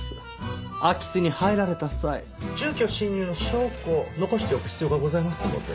空き巣に入られた際住居侵入の証拠を残しておく必要がございますので。